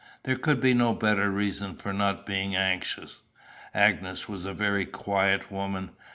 There could be no better reason for not being anxious." Agnes was a very quiet woman.